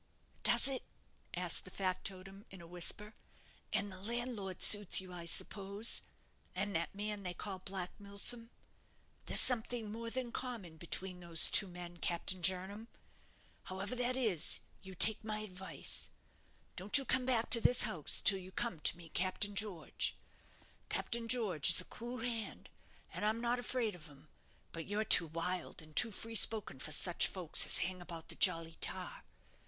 "Does it?" asked the factotum, in a whisper; "and the landlord suits you, I suppose? and that man they call Black Milsom? There's something more than common between those two men, Captain Jernam. However that is, you take my advice. Don't you come back to this house till you come to meet Captain George. Captain George is a cool hand, and I'm not afraid of him; but you're too wild and too free spoken for such folks as hang about the 'Jolly Tar'.